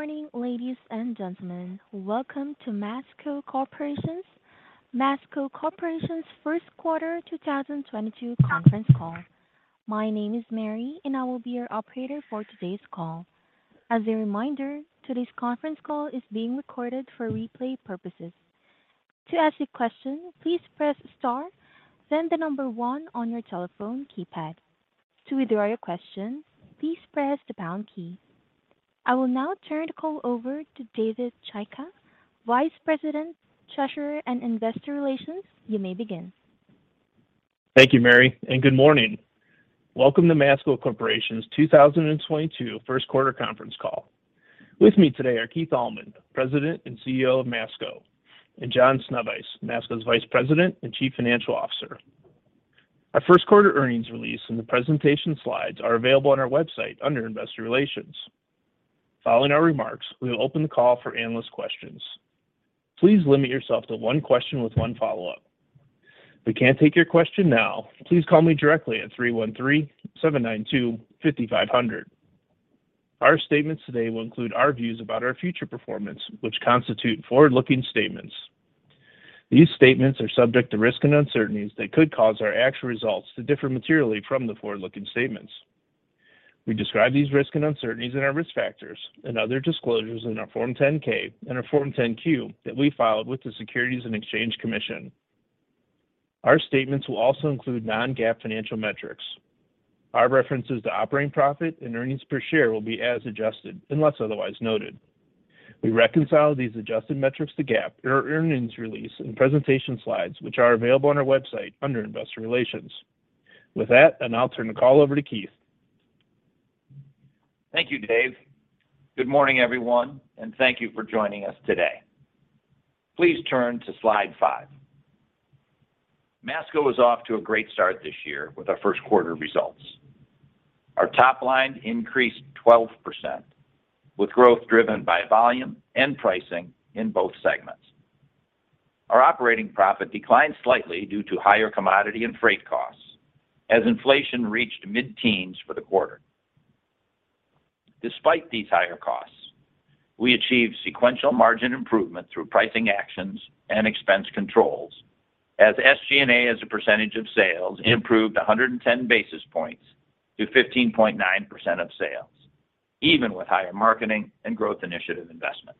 Good morning, ladies and gentlemen. Welcome to Masco Corporation's First Quarter 2022 Conference Call. My name is Mary, and I will be your operator for today's call. As a reminder, today's conference call is being recorded for replay purposes. To ask a question, please press star then the number one on your telephone keypad. To withdraw your question, please press the pound key. I will now turn the call over to David Chaika, Vice President, Treasurer, and Investor Relations. You may begin. Thank you, Mary, and good morning. Welcome to Masco Corporation's 2022 first quarter conference call. With me today are Keith Allman, President and CEO of Masco, and John Sznewajs, Masco's Vice President and Chief Financial Officer. Our first quarter earnings release and the presentation slides are available on our website under Investor Relations. Following our remarks, we will open the call for analyst questions. Please limit yourself to one question with one follow-up. If we can't take your question now, please call me directly at 313-792-5500. Our statements today will include our views about our future performance, which constitute forward-looking statements. These statements are subject to risks and uncertainties that could cause our actual results to differ materially from the forward-looking statements. We describe these risks and uncertainties in our risk factors and other disclosures in our Form 10-K and our Form 10-Q that we filed with the Securities and Exchange Commission. Our statements will also include non-GAAP financial metrics. Our references to operating profit and earnings per share will be as adjusted, unless otherwise noted. We reconcile these adjusted metrics to GAAP in our earnings release and presentation slides, which are available on our website under Investor Relations. With that, and I'll turn the call over to Keith. Thank you, Dave. Good morning, everyone, and thank you for joining us today. Please turn to slide five. Masco is off to a great start this year with our first quarter results. Our top line increased 12% with growth driven by volume and pricing in both segments. Our operating profit declined slightly due to higher commodity and freight costs as inflation reached mid-teens for the quarter. Despite these higher costs, we achieved sequential margin improvement through pricing actions and expense controls as SG&A as a percentage of sales improved 110 basis points to 15.9% of sales, even with higher marketing and growth initiative investment.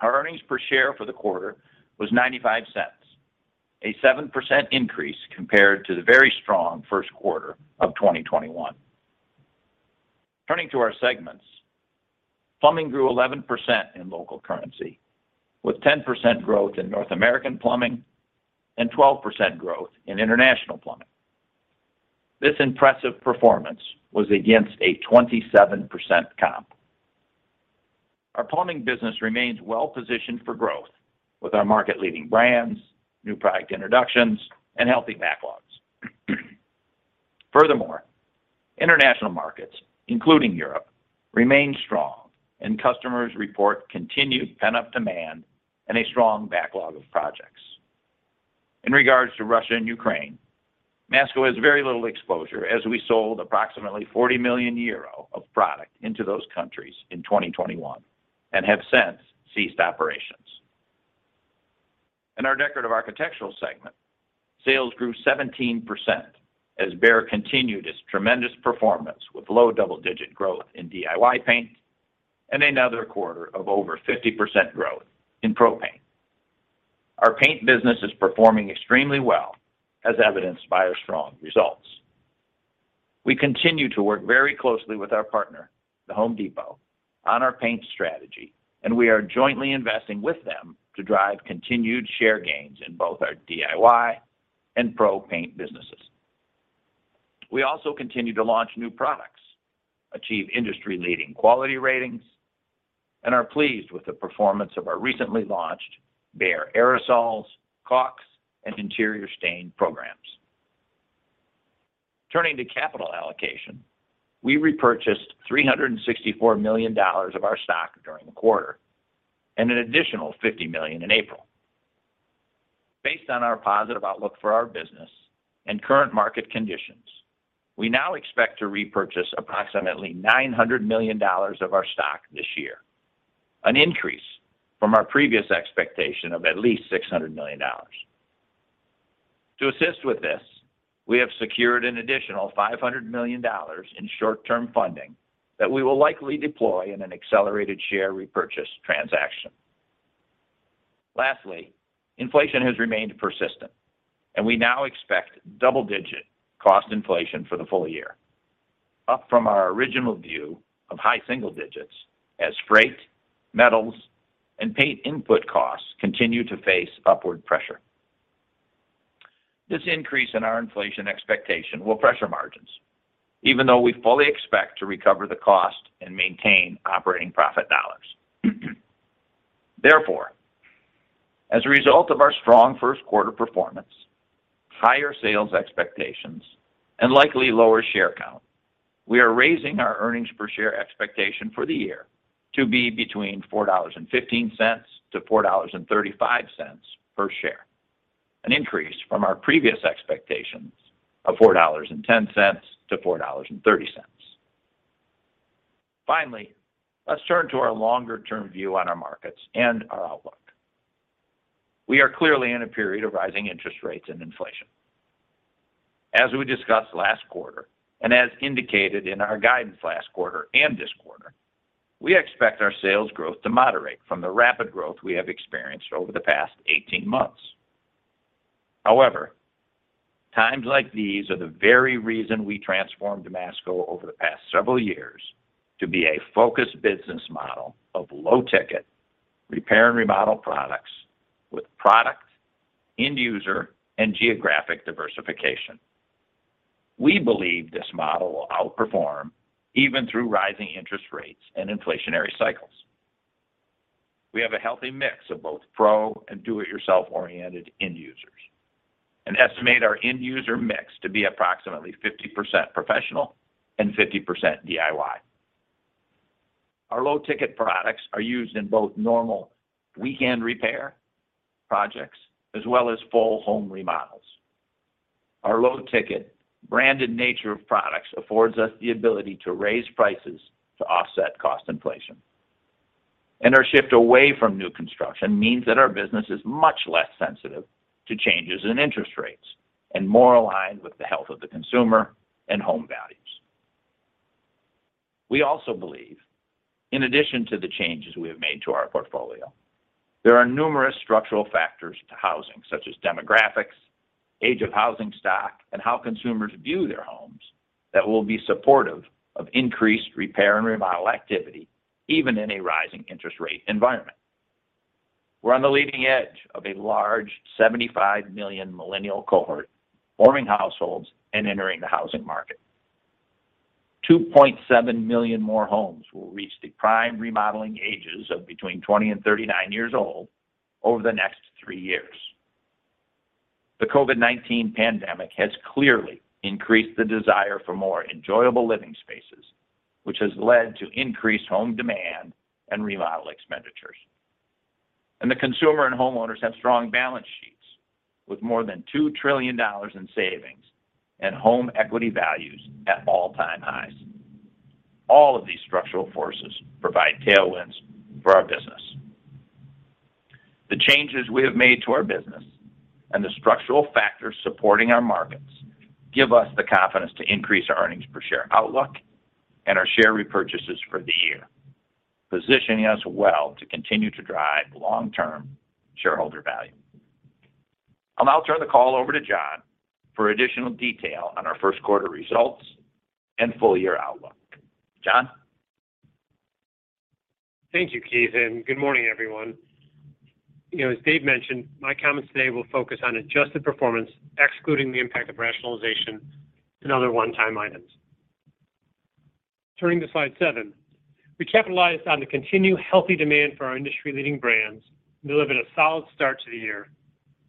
Our earnings per share for the quarter was $0.95, a 7% increase compared to the very strong first quarter of 2021. Turning to our segments. Plumbing grew 11% in local currency, with 10% growth in North American plumbing and 12% growth in international plumbing. This impressive performance was against a 27% comp. Our plumbing business remains well-positioned for growth with our market-leading brands, new product introductions, and healthy backlogs. Furthermore, international markets, including Europe, remain strong and customers report continued pent-up demand and a strong backlog of projects. In regards to Russia and Ukraine, Masco has very little exposure as we sold approximately 40 million euro of product into those countries in 2021 and have since ceased operations. In our Decorative Architectural segment, sales grew 17% as Behr continued its tremendous performance with low double-digit growth in DIY paint and another quarter of over 50% growth in Pro paint. Our paint business is performing extremely well, as evidenced by our strong results. We continue to work very closely with our partner, The Home Depot, on our paint strategy, and we are jointly investing with them to drive continued share gains in both our DIY and Pro paint businesses. We also continue to launch new products, achieve industry-leading quality ratings, and are pleased with the performance of our recently launched Behr aerosols, caulks, and interior stain programs. Turning to capital allocation. We repurchased $364 million of our stock during the quarter and an additional $50 million in April. Based on our positive outlook for our business and current market conditions, we now expect to repurchase approximately $900 million of our stock this year, an increase from our previous expectation of at least $600 million. To assist with this, we have secured an additional $500 million in short-term funding that we will likely deploy in an accelerated share repurchase transaction. Lastly, inflation has remained persistent, and we now expect double-digit cost inflation for the full year, up from our original view of high single digits as freight, metals, and paint input costs continue to face upward pressure. This increase in our inflation expectation will pressure margins, even though we fully expect to recover the cost and maintain operating profit dollars. Therefore, as a result of our strong first quarter performance, higher sales expectations and likely lower share count, we are raising our earnings per share expectation for the year to be between $4.15-$4.35 per share. An increase from our previous expectations of $4.10-$4.30. Finally, let's turn to our longer-term view on our markets and our outlook. We are clearly in a period of rising interest rates and inflation. As we discussed last quarter, and as indicated in our guidance last quarter and this quarter, we expect our sales growth to moderate from the rapid growth we have experienced over the past 18 months. However, times like these are the very reason we transformed Masco over the past several years to be a focused business model of low-ticket repair and remodel products with product, end user, and geographic diversification. We believe this model will outperform even through rising interest rates and inflationary cycles. We have a healthy mix of both pro and do-it-yourself-oriented end users and estimate our end user mix to be approximately 50% professional and 50% DIY. Our low-ticket products are used in both normal weekend repair projects as well as full home remodels. Our low-ticket branded nature of products affords us the ability to raise prices to offset cost inflation. Our shift away from new construction means that our business is much less sensitive to changes in interest rates and more aligned with the health of the consumer and home values. We also believe, in addition to the changes we have made to our portfolio, there are numerous structural factors to housing, such as demographics, age of housing stock, and how consumers view their homes that will be supportive of increased repair and remodel activity, even in a rising interest rate environment. We're on the leading edge of a large 75 million millennial cohort forming households and entering the housing market. 2.7 million more homes will reach the prime remodeling ages of between 20 and 39 years old over the next three years. The COVID-19 pandemic has clearly increased the desire for more enjoyable living spaces, which has led to increased home demand and remodel expenditures. The consumer and homeowners have strong balance sheets with more than $2 trillion in savings and home equity values at all-time highs. All of these structural forces provide tailwinds for our business. The changes we have made to our business and the structural factors supporting our markets give us the confidence to increase our earnings per share outlook and our share repurchases for the year, positioning us well to continue to drive long-term shareholder value. I'll now turn the call over to John for additional detail on our first quarter results and full-year outlook. John? Thank you, Keith, and good morning, everyone. You know, as Dave mentioned, my comments today will focus on adjusted performance, excluding the impact of rationalization and other one-time items. Turning to slide seven. We capitalized on the continued healthy demand for our industry-leading brands to deliver a solid start to the year,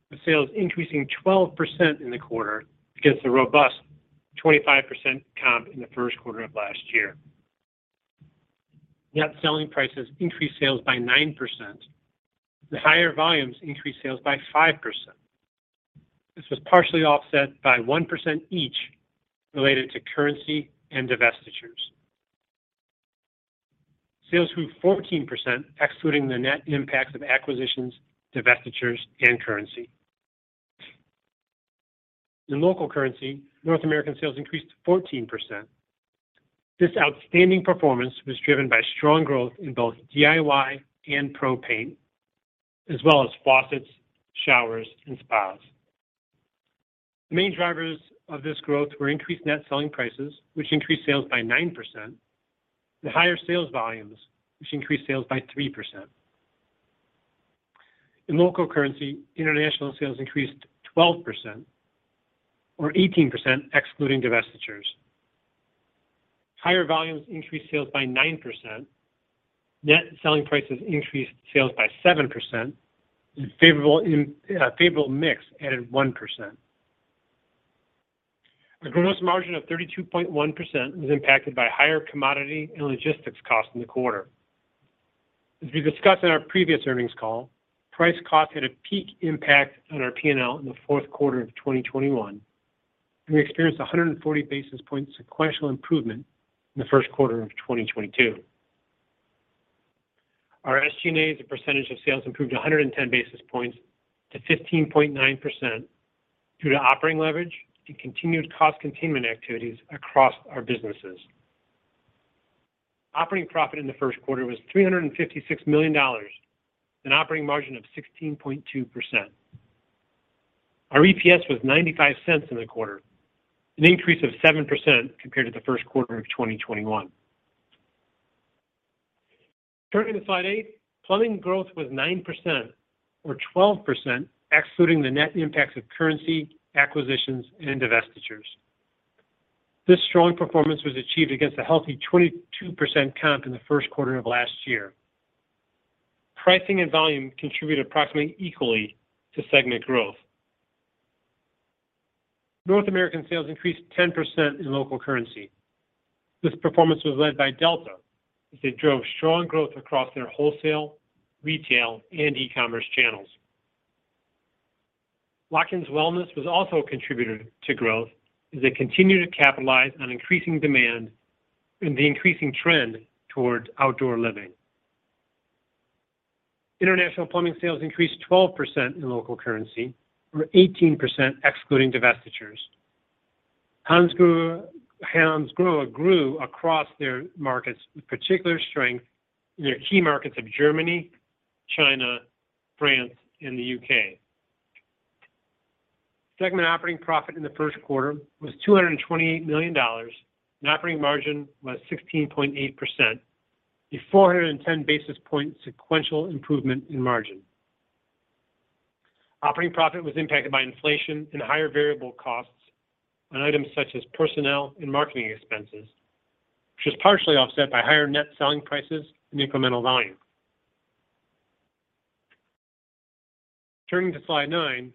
with sales increasing 12% in the quarter against a robust 25% comp in the first quarter of last year. Net selling prices increased sales by 9%. The higher volumes increased sales by 5%. This was partially offset by 1% each related to currency and divestitures. Sales grew 14%, excluding the net impacts of acquisitions, divestitures, and currency. In local currency, North American sales increased 14%. This outstanding performance was driven by strong growth in both DIY and Pro paint, as well as faucets, showers, and spas. The main drivers of this growth were increased net selling prices, which increased sales by 9%, and higher sales volumes, which increased sales by 3%. In local currency, international sales increased 12% or 18% excluding divestitures. Higher volumes increased sales by 9%. Net selling prices increased sales by 7%. Favorable mix added 1%. A gross margin of 32.1% was impacted by higher commodity and logistics costs in the quarter. As we discussed on our previous earnings call, price cost had a peak impact on our P&L in the fourth quarter of 2021, and we experienced a 140 basis point sequential improvement in the first quarter of 2022. Our SG&A as a percentage of sales improved 110 basis points to 15.9% due to operating leverage and continued cost containment activities across our businesses. Operating profit in the first quarter was $356 million, an operating margin of 16.2%. Our EPS was $0.95 in the quarter, an increase of 7% compared to the first quarter of 2021. Turning to slide eight. Plumbing growth was 9% or 12% excluding the net impacts of currency, acquisitions, and divestitures. This strong performance was achieved against a healthy 22% comp in the first quarter of last year. Pricing and volume contributed approximately equally to segment growth. North American sales increased 10% in local currency. This performance was led by Delta, as they drove strong growth across their wholesale, retail, and e-commerce channels. Watkins Wellness was also a contributor to growth as they continue to capitalize on increasing demand in the increasing trend towards outdoor living. International plumbing sales increased 12% in local currency or 18% excluding divestitures. Hansgrohe grew across their markets, with particular strength in their key markets of Germany, China, France, and the U.K. Segment operating profit in the first quarter was $228 million. Net operating margin was 16.8%, a 410 basis point sequential improvement in margin. Operating profit was impacted by inflation and higher variable costs on items such as personnel and marketing expenses, which was partially offset by higher net selling prices and incremental volume. Turning to slide nine.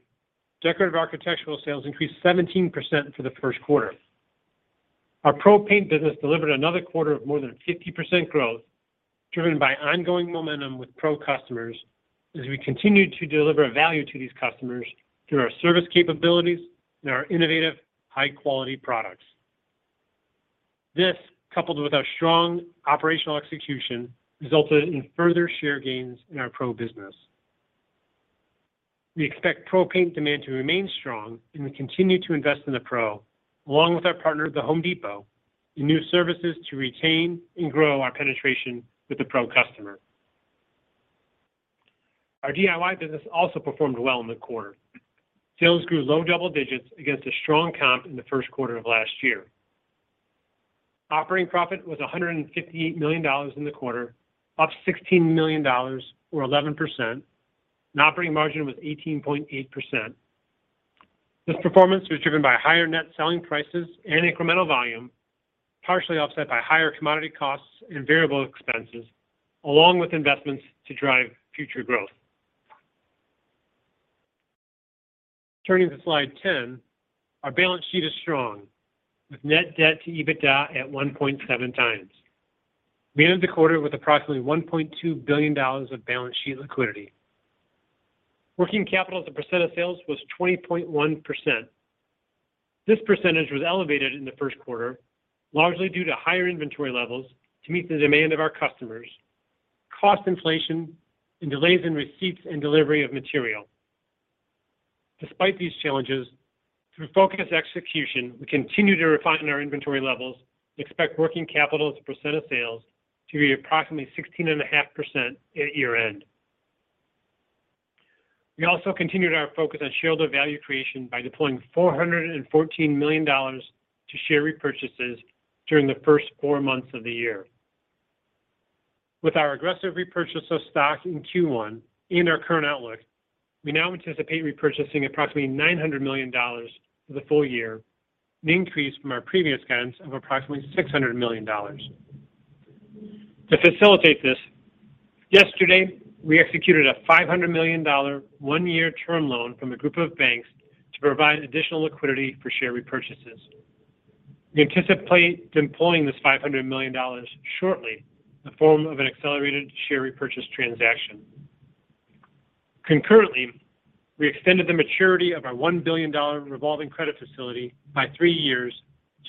Decorative Architectural sales increased 17% for the first quarter. Our Pro paint business delivered another quarter of more than 50% growth, driven by ongoing momentum with pro customers as we continued to deliver value to these customers through our service capabilities and our innovative, high quality products. This, coupled with our strong operational execution, resulted in further share gains in our pro business. We expect Pro paint demand to remain strong, and we continue to invest in the pro, along with our partner at The Home Depot, in new services to retain and grow our penetration with the pro customer. Our DIY business also performed well in the quarter. Sales grew low double digits against a strong comp in the first quarter of last year. Operating profit was $158 million in the quarter, up $16 million or 11%. Net operating margin was 18.8%. This performance was driven by higher net selling prices and incremental volume, partially offset by higher commodity costs and variable expenses, along with investments to drive future growth. Turning to slide 10. Our balance sheet is strong, with net debt to EBITDA at 1.7 times. We ended the quarter with approximately $1.2 billion of balance sheet liquidity. Working capital as a percent of sales was 20.1%. This percentage was elevated in the first quarter, largely due to higher inventory levels to meet the demand of our customers, cost inflation and delays in receipts and delivery of material. Despite these challenges, through focused execution, we continue to refine our inventory levels and expect working capital as a percent of sales to be approximately 16.5% at year-end. We continued our focus on shareholder value creation by deploying $414 million to share repurchases during the first four months of the year. With our aggressive repurchase of stock in Q1 in our current outlook, we now anticipate repurchasing approximately $900 million in the full year, an increase from our previous guidance of approximately $600 million. To facilitate this, yesterday, we executed a $500 million one-year term loan from a group of banks to provide additional liquidity for share repurchases. We anticipate deploying this $500 million shortly in the form of an accelerated share repurchase transaction. Concurrently, we extended the maturity of our $1 billion revolving credit facility by three years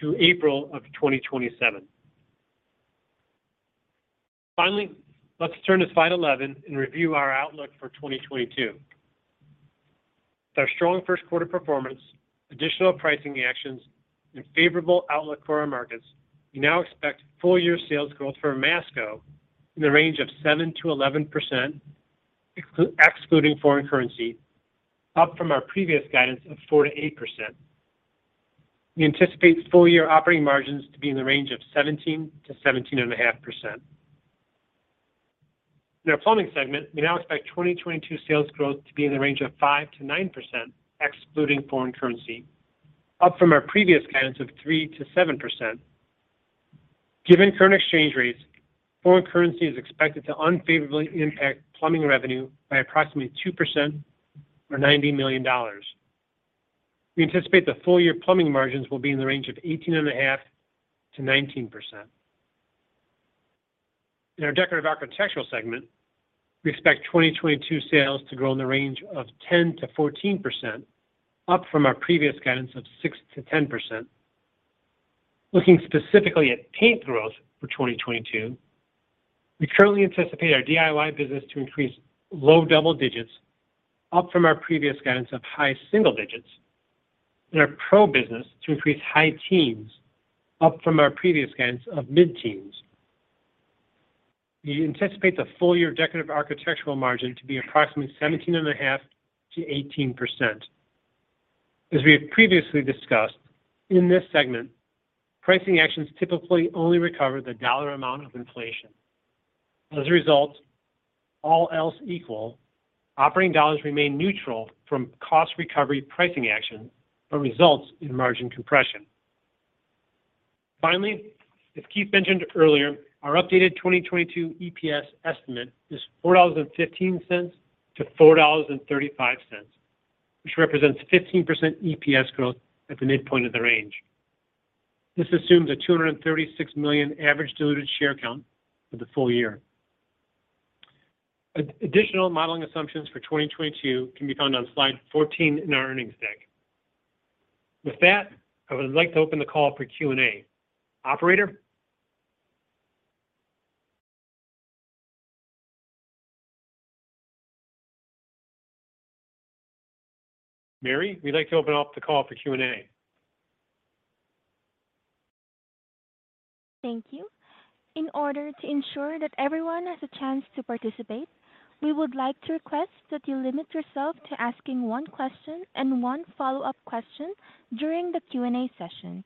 to April of 2027. Finally, let's turn to slide 11 and review our outlook for 2022. With our strong first quarter performance, additional pricing actions and favorable outlook for our markets, we now expect full year sales growth for Masco in the range of 7%-11%, excluding foreign currency, up from our previous guidance of 4%-8%. We anticipate full year operating margins to be in the range of 17%-17.5%. In our plumbing segment, we now expect 2022 sales growth to be in the range of 5%-9%, excluding foreign currency, up from our previous guidance of 3%-7%. Given current exchange rates, foreign currency is expected to unfavorably impact plumbing revenue by approximately 2% or $90 million. We anticipate the full year plumbing margins will be in the range of 18.5%-19%. In our Decorative Architectural segment, we expect 2022 sales to grow in the range of 10%-14% up from our previous guidance of 6%-10%. Looking specifically at paint growth for 2022, we currently anticipate our DIY business to increase low double digits up from our previous guidance of high single digits, and our pro business to increase high teens up from our previous guidance of mid-teens. We anticipate the full year Decorative Architectural margin to be approximately 17.5%-18%. As we have previously discussed, in this segment, pricing actions typically only recover the dollar amount of inflation. As a result, all else equal, operating dollars remain neutral from cost recovery pricing action, but results in margin compression. Finally, as Keith mentioned earlier, our updated 2022 EPS estimate is $4.15-$4.35, which represents 15% EPS growth at the midpoint of the range. This assumes a 236 million average diluted share count for the full year. Additional modeling assumptions for 2022 can be found on slide 14 in our earnings deck. With that, I would like to open the call for Q&A. Operator? Mary, we'd like to open up the call for Q&A. Thank you. In order to ensure that everyone has a chance to participate, we would like to request that you limit yourself to asking one question and one follow-up question during the Q&A session.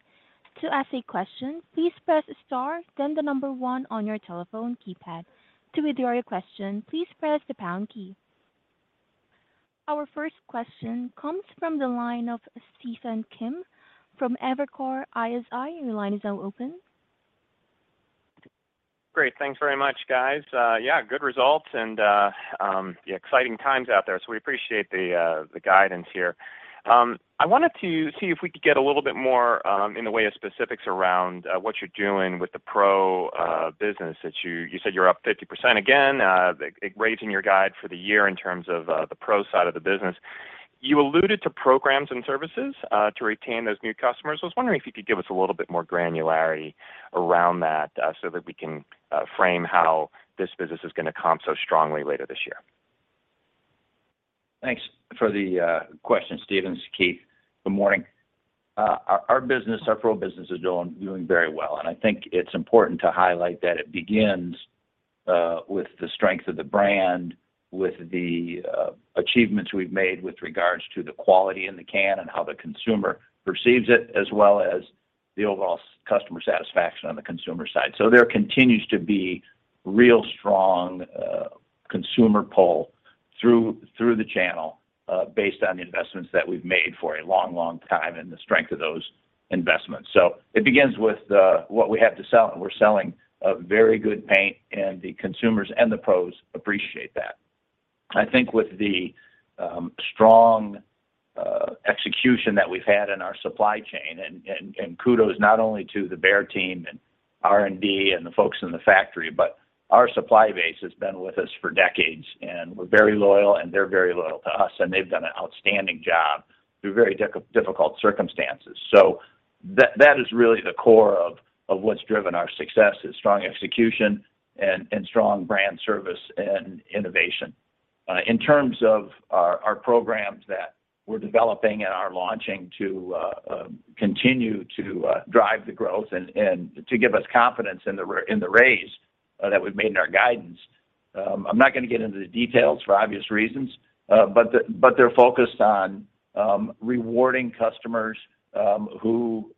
To ask a question, please press star then the number one on your telephone keypad. To withdraw your question, please press the pound key. Our first question comes from the line of Stephen Kim from Evercore ISI. Your line is now open. Great. Thanks very much, guys. Yeah, good results and exciting times out there, so we appreciate the guidance here. I wanted to see if we could get a little bit more in the way of specifics around what you're doing with the pro business that you said you're up 50% again, raising your guidance for the year in terms of the pro side of the business. You alluded to programs and services to retain those new customers. I was wondering if you could give us a little bit more granularity around that, so that we can frame how this business is gonna comp so strongly later this year. Thanks for the question, Steven. It's Keith. Good morning. Our business, our pro business is doing very well, and I think it's important to highlight that it begins with the strength of the brand, with the achievements we've made with regards to the quality in the can and how the consumer perceives it, as well as the overall customer satisfaction on the consumer side. There continues to be real strong consumer pull through the channel based on the investments that we've made for a long time and the strength of those investments. It begins with what we have to sell, and we're selling a very good paint, and the consumers and the pros appreciate that. I think with the strong execution that we've had in our supply chain and kudos not only to the Behr team and R&D and the folks in the factory, but our supply base has been with us for decades, and we're very loyal, and they're very loyal to us, and they've done an outstanding job through very difficult circumstances. That is really the core of what's driven our success, is strong execution and strong brand service and innovation. In terms of our programs that we're developing and are launching to continue to drive the growth and to give us confidence in the raise that we've made in our guidance, I'm not gonna get into the details for obvious reasons, but they're focused on rewarding customers who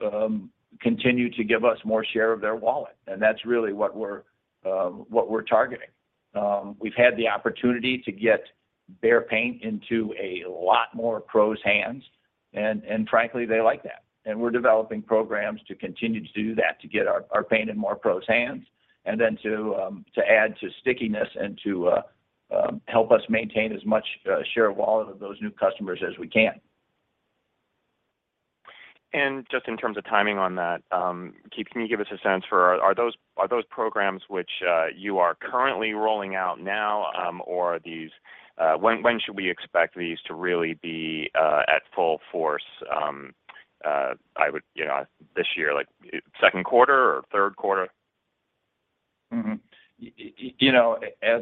continue to give us more share of their wallet, and that's really what we're targeting. We've had the opportunity to get Behr paint into a lot more pros' hands and, frankly, they like that. We're developing programs to continue to do that, to get our paint in more pros' hands, and then to add to stickiness and to help us maintain as much share of wallet of those new customers as we can. Just in terms of timing on that, Keith, can you give us a sense for are those programs which you are currently rolling out now, or are these, when should we expect these to really be at full force. You know, this year, like second quarter or third quarter? You know, as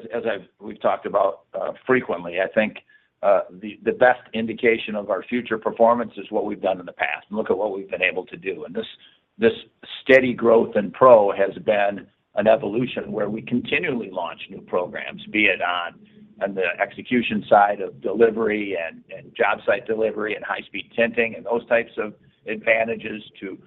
we've talked about frequently, I think the best indication of our future performance is what we've done in the past, and look at what we've been able to do. This steady growth in pro has been an evolution where we continually launch new programs, be it on the execution side of delivery and job site delivery and high-speed tinting and those types of advantages to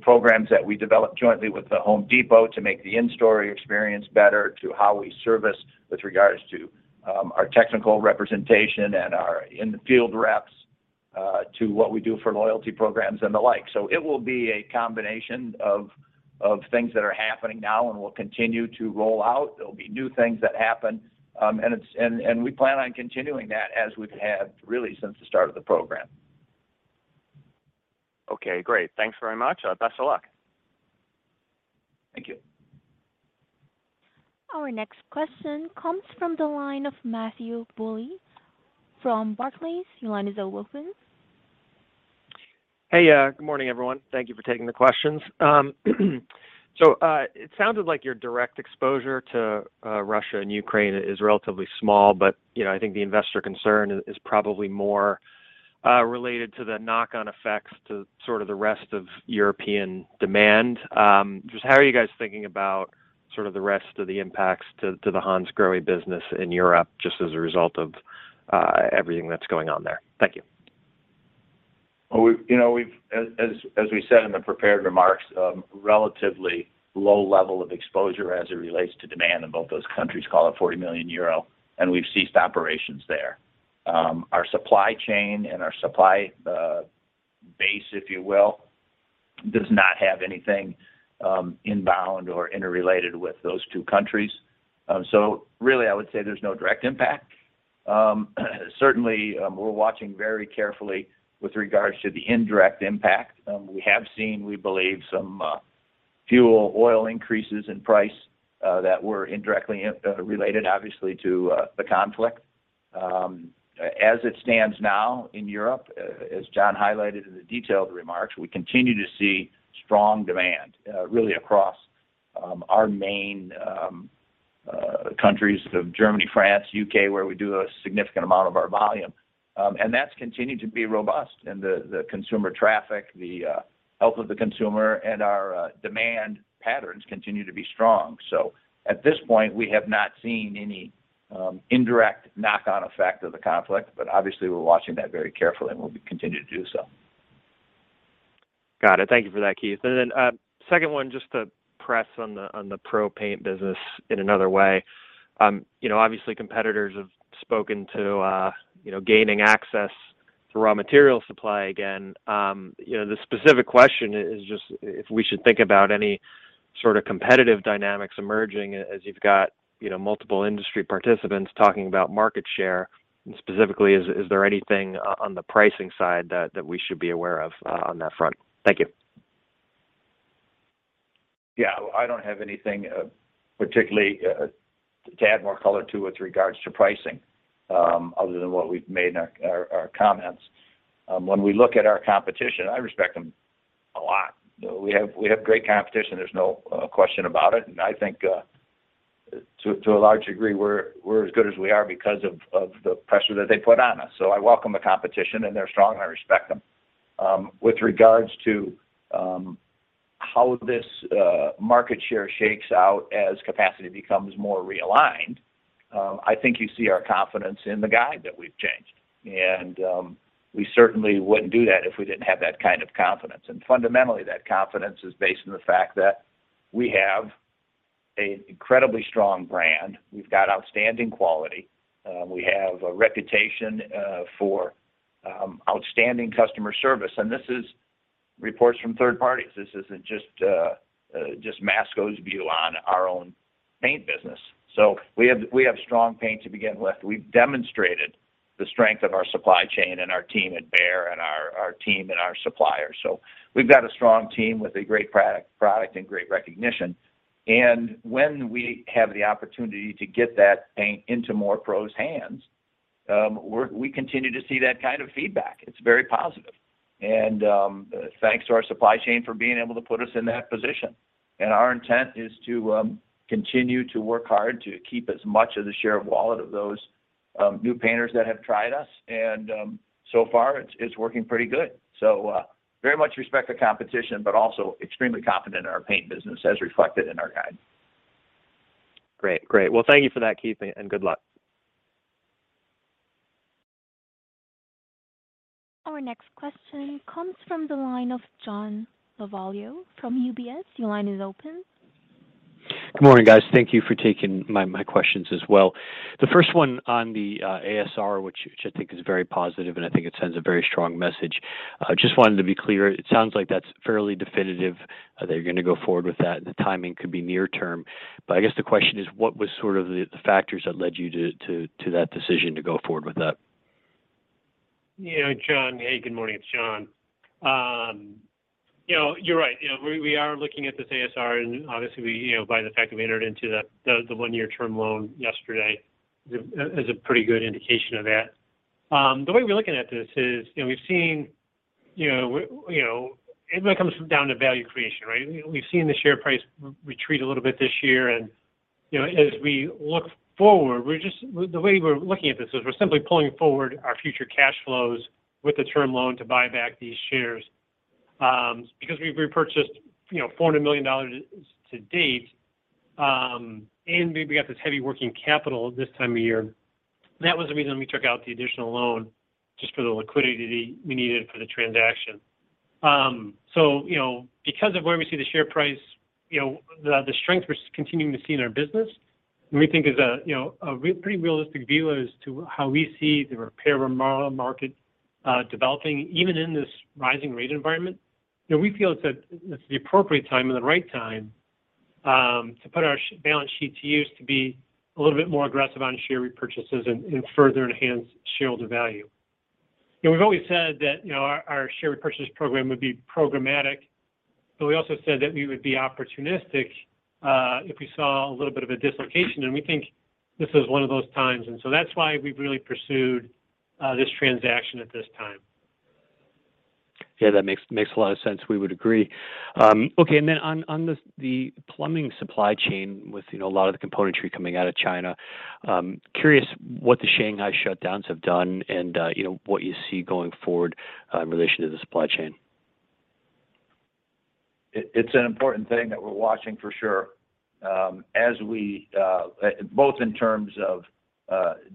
programs that we develop jointly with The Home Depot to make the in-store experience better to how we service with regards to our technical representation and our in-the-field reps to what we do for loyalty programs and the like. It will be a combination of things that are happening now and will continue to roll out. There'll be new things that happen, and we plan on continuing that as we've had really since the start of the program. Okay, great. Thanks very much. Best of luck. Thank you. Our next question comes from the line of Matthew Bouley from Barclays. Your line is now open. Hey. Good morning, everyone. Thank you for taking the questions. It sounded like your direct exposure to Russia and Ukraine is relatively small, but you know, I think the investor concern is probably more related to the knock-on effects to sort of the rest of European demand. Just how are you guys thinking about sort of the rest of the impacts to the Hansgrohe business in Europe, just as a result of everything that's going on there? Thank you. You know, we've as we said in the prepared remarks, relatively low level of exposure as it relates to demand in both those countries, call it 40 million euro, and we've ceased operations there. Our supply chain and our supply base, if you will, does not have anything inbound or interrelated with those two countries. So really, I would say there's no direct impact. Certainly, we're watching very carefully with regards to the indirect impact. We have seen, we believe some fuel oil increases in price that were indirectly related obviously to the conflict. As it stands now in Europe, as John highlighted in the detailed remarks, we continue to see strong demand, really across our main countries of Germany, France, U.K., where we do a significant amount of our volume. That's continued to be robust in the consumer traffic, the health of the consumer and our demand patterns continue to be strong. At this point, we have not seen any indirect knock on effect of the conflict, but obviously we're watching that very carefully and we'll be continuing to do so. Got it. Thank you for that, Keith. Second one, just to press on the Pro paint business in another way. You know, obviously competitors have spoken to gaining access to raw material supply again. You know, the specific question is just if we should think about any sort of competitive dynamics emerging as you've got multiple industry participants talking about market share. Specifically, is there anything on the pricing side that we should be aware of on that front? Thank you. Yeah. I don't have anything particularly to add more color to with regards to pricing, other than what we've made in our comments. When we look at our competition, I respect them a lot. You know, we have great competition, there's no question about it. I think to a large degree, we're as good as we are because of the pressure that they put on us. So I welcome the competition and they're strong, I respect them. With regards to how this market share shakes out as capacity becomes more realigned, I think you see our confidence in the guide that we've changed. We certainly wouldn't do that if we didn't have that kind of confidence. Fundamentally, that confidence is based on the fact that we have an incredibly strong brand. We've got outstanding quality. We have a reputation for outstanding customer service, and this is reports from third parties. This isn't just Masco's view on our own paint business. We have strong paint to begin with. We've demonstrated the strength of our supply chain and our team at Behr and our team and our suppliers. We've got a strong team with a great product and great recognition. When we have the opportunity to get that paint into more pros hands, we continue to see that kind of feedback. It's very positive. Thanks to our supply chain for being able to put us in that position. Our intent is to continue to work hard to keep as much of the share of wallet of those new painters that have tried us. So far it's working pretty good. Very much respect the competition, but also extremely confident in our paint business as reflected in our guide. Great. Well, thank you for that, Keith, and good luck. Our next question comes from the line of John Lovallo from UBS. Your line is open. Good morning, guys. Thank you for taking my questions as well. The first one on the ASR, which I think is very positive, and I think it sends a very strong message. Just wanted to be clear, it sounds like that's fairly definitive that you're gonna go forward with that, and the timing could be near term. I guess the question is, what was sort of the factors that led you to that decision to go forward with that? Yeah. John, hey, good morning. It's John. You know, you're right. You know, we are looking at this ASR, and obviously you know, by the fact we entered into the one-year term loan yesterday is a pretty good indication of that. The way we're looking at this is, you know, we've seen, you know, you know, it really comes down to value creation, right? We've seen the share price retreat a little bit this year. You know, as we look forward, the way we're looking at this is we're simply pulling forward our future cash flows with the term loan to buy back these shares, because we've repurchased $400 million to date, and we got this heavy working capital this time of year. That was the reason we took out the additional loan, just for the liquidity we needed for the transaction. You know, because of where we see the share price, you know, the strength we're continuing to see in our business, and we think it's a pretty realistic view as to how we see the repair/remodel market developing, even in this rising rate environment. You know, we feel it's the appropriate time and the right time to put our balance sheet to use to be a little bit more aggressive on share repurchases and further enhance shareholder value. You know, we've always said that, you know, our share repurchase program would be programmatic, but we also said that we would be opportunistic if we saw a little bit of a dislocation, and we think this is one of those times. That's why we've really pursued this transaction at this time. Yeah, that makes a lot of sense. We would agree. Okay. Then, on this, the plumbing supply chain with, you know, a lot of the componentry coming out of China, curious what the Shanghai shutdowns have done and, you know, what you see going forward, in relation to the supply chain. It's an important thing that we're watching for sure. As we both in terms of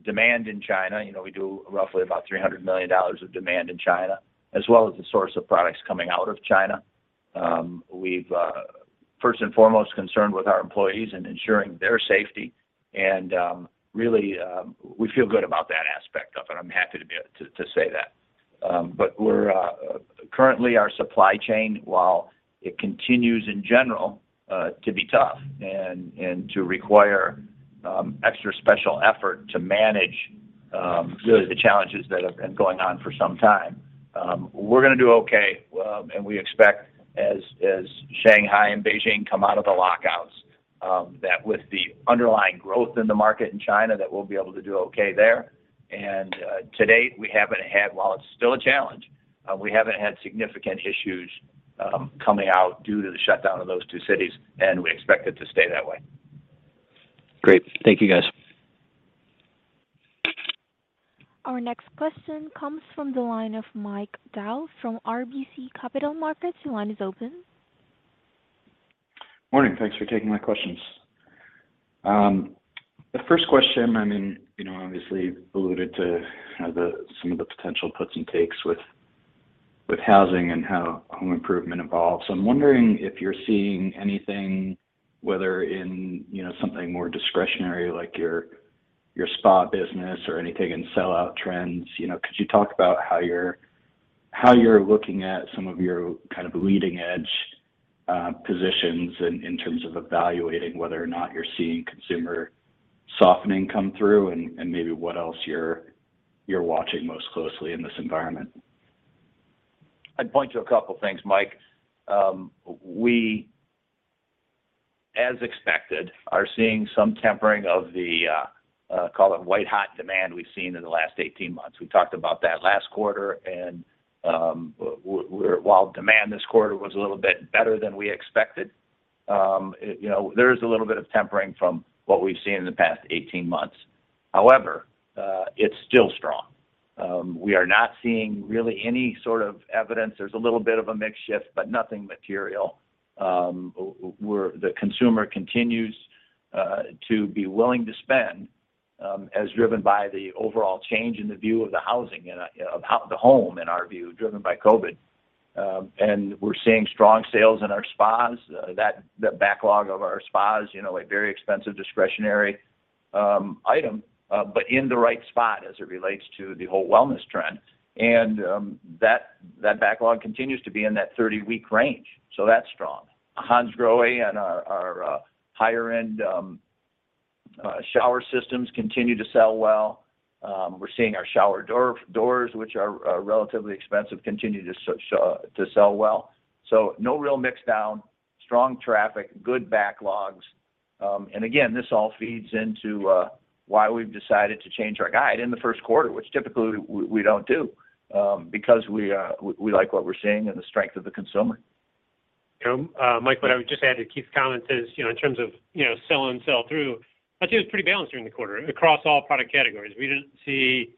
demand in China, you know, we do roughly about $300 million of demand in China, as well as the source of products coming out of China. First and foremost, concerned with our employees and ensuring their safety, and really, we feel good about that aspect of it. I'm happy to be able to say that. Currently, our supply chain, while it continues in general to be tough and to require extra special effort to manage really the challenges that have been going on for some time, we're gonna do okay. We expect as Shanghai and Beijing come out of the lockdowns, that with the underlying growth in the market in China, that we'll be able to do okay there. To date, while it's still a challenge, we haven't had significant issues coming out due to the shutdown of those two cities, and we expect it to stay that way. Great. Thank you, guys. Our next question comes from the line of Mike Dahl from RBC Capital Markets. Your line is open. Morning. Thanks for taking my questions. The first question, I mean, you know, obviously alluded to some of the potential puts and takes with housing and how home improvement evolves. I'm wondering if you're seeing anything, whether in you know something more discretionary like your spa business or anything in sell-through trends. You know, could you talk about how you're looking at some of your kind of leading edge positions in terms of evaluating whether or not you're seeing consumer softening come through and maybe what else you're watching most closely in this environment? I'd point to a couple things, Mike. We, as expected, are seeing some tempering of the, call it white-hot demand we've seen in the last 18 months. We talked about that last quarter, and while demand this quarter was a little bit better than we expected, you know, there is a little bit of tempering from what we've seen in the past 18 months. However, it's still strong. We are not seeing really any sort of evidence. There's a little bit of a mix shift, but nothing material. The consumer continues to be willing to spend, as driven by the overall change in the view of the housing and of the home, in our view, driven by COVID. We're seeing strong sales in our spas. That backlog of our spas, you know, a very expensive discretionary item, but in the right spot as it relates to the whole wellness trend. That backlog continues to be in that 30-week range, so that's strong. Hansgrohe and our higher-end shower systems continue to sell well. We're seeing our shower doors, which are relatively expensive, continue to sell well. No real mix down, strong traffic, good backlogs. Again, this all feeds into why we've decided to change our guide in the first quarter, which typically we don't do, because we like what we're seeing and the strength of the consumer. You know, Mike, what I would just add to Keith's comment is, you know, in terms of, you know, sell-in and sell-through, I'd say it was pretty balanced during the quarter across all product categories. We didn't see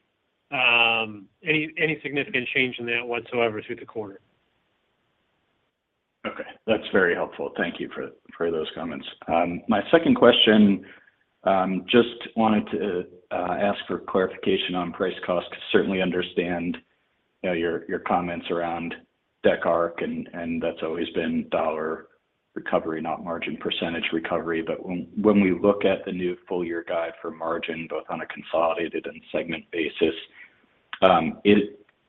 any significant change in that whatsoever through the quarter. Okay. That's very helpful. Thank you for those comments. My second question, just wanted to ask for clarification on price cost. Certainly understand, you know, your comments around Decorative Architectural and that's always been dollar recovery, not margin percentage recovery. But when we look at the new full year guide for margin, both on a consolidated and segment basis,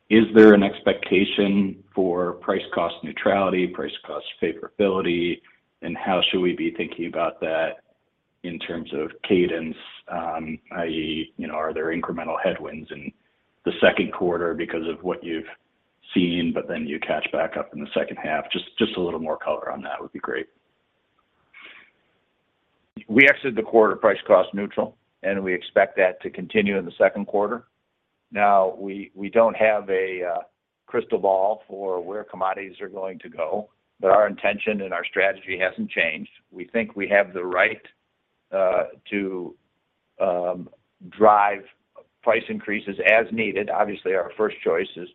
is there an expectation for price cost neutrality, price cost favorability, and how should we be thinking about that in terms of cadence? I.e. you know, are there incremental headwinds in the second quarter because of what you've seen, but then you catch back up in the second half? Just a little more color on that would be great. We exited the quarter price cost neutral, and we expect that to continue in the second quarter. Now, we don't have a crystal ball for where commodities are going to go, but our intention and our strategy hasn't changed. We think we have the right to drive price increases as needed. Obviously, our first choice is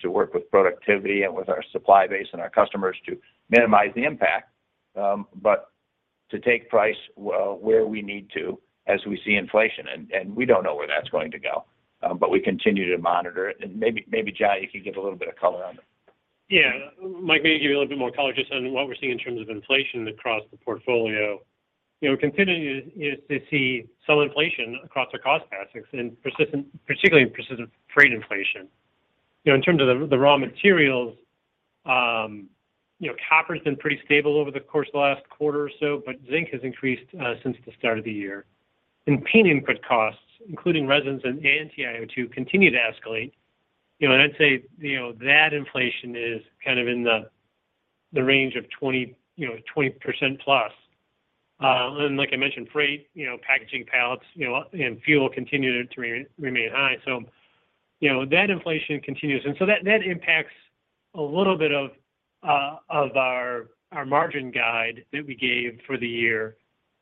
to work with productivity and with our supply base and our customers to minimize the impact, but to take price where we need to as we see inflation. We don't know where that's going to go, but we continue to monitor it. Maybe John, you could give a little bit of color on it. Yeah. Mike, maybe give you a little bit more color just on what we're seeing in terms of inflation across the portfolio. You know, we continue to see some inflation across our cost baskets and particularly persistent freight inflation. You know, in terms of the raw materials, you know, copper's been pretty stable over the course of the last quarter or so, but zinc has increased since the start of the year. Paint input costs, including resins and TiO2, continue to escalate. You know, and I'd say, you know, that inflation is kind of in the range of 20% plus. And like I mentioned, freight, you know, packaging pallets, you know, and fuel continue to remain high. You know, that inflation continues. That impacts a little bit of our margin guide that we gave for the year.